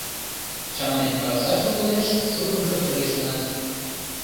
Чаманен каласаш логалеш, шукынжо тыге шонат.